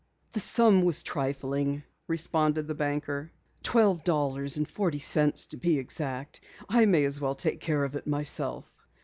"The sum was trifling," responded the banker. "Twelve dollars and forty cents to be exact. I may as well take care of it myself."